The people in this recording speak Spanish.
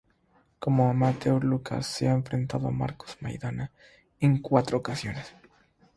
Como amateur Lucas se ha enfrentado a Marcos Maidana en cuatro ocasiones.